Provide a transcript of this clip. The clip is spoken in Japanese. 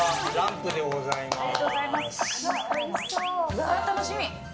うわー、楽しみ！